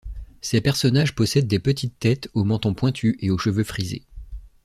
Ses personnages possèdent des petites têtes au menton pointu et aux cheveux frisés.